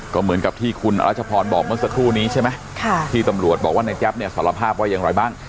ก็เหมือนกับที่คุณอรัชพรบอกเมื่อสักครู่นี้ใช่ไหมค่ะที่ตำรวจบอกว่าในแจ๊บเนี่ยสารภาพว่าอย่างไรบ้าง